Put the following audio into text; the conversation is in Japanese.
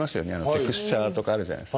テクスチャーとかあるじゃないですか。